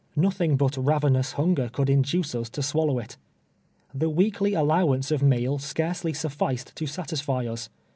Xotliing but ravenous hunger could induce us to swallow it. Tlie weekly allowance of meal scarcely sufficed to satisfy us.